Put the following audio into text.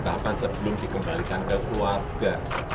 tahapan sebelum dikembalikan ke keluarga